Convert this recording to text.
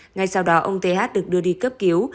ngay sau đó ông thế hát được đưa đi cấp cứu